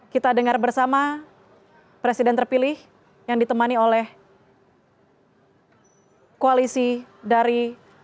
kita dengar bersama presiden terpilih yang ditemani oleh koalisi dari